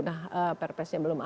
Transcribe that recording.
nah perpesnya belum ada